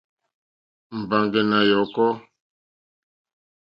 Mbàŋɡɛ̀ nà yɔ̀kɔ́.